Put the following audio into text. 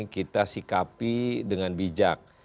kita sikapi dengan bijak